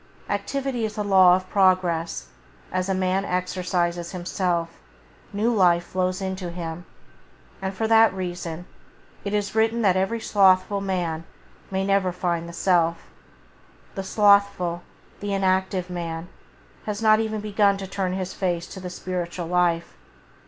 Activity is the law of progress; as a man exercises himself, new life flows into him, and for that reason it is written that the slothful man may never find the Self. The slothful, the inactive man has not even begun to turn his face to the spiritual life.